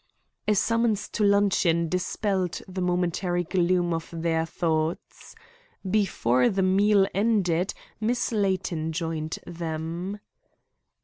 A summons to luncheon dispelled the momentary gloom of their thoughts. Before the meal ended Miss Layton joined them.